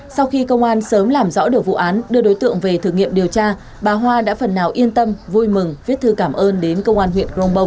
sau khi công an sớm làm rõ được vụ án đưa đối tượng về thử nghiệm điều tra bà hoa đã phần nào yên tâm vui mừng viết thư cảm ơn đến công an huyện grong bông